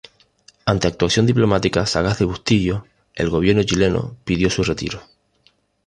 Ante actuación diplomática sagaz de Bustillo, el gobierno chileno pidió su retiro.